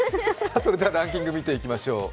ランキング、見ていきましょう。